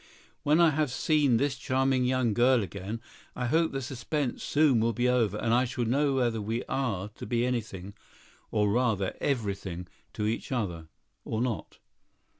"When I have seen this charming girl again, I hope the suspense soon will be over and I shall know whether we are to be anything—or rather everything—to each other, or not."